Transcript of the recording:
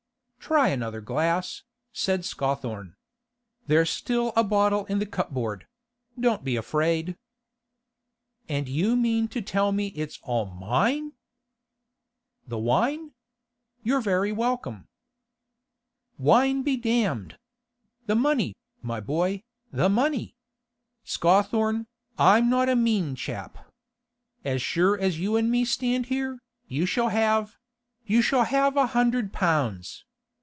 'Try another glass,' said Scawthorne. 'There's still a bottle in the cupboard; don't be afraid.' 'And you mean to tell me it's all mine?' 'The wine? You're very welcome.' 'Wine be damned! The money, my boy, the money! Scawthorne, I'm not a mean chap. As sure as you and me stand here, you shall have—you shall have a hundred pounds!